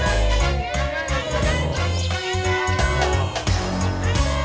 kambing kambing yang berada di dalam hutan gelap